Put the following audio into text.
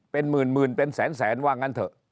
เป็นหมื่นเป็นแสนว่างั้นเถอะ